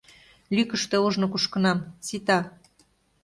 Лӱкыштӧ ожно кушкынам, сита.